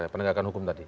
penegakan hukum tadi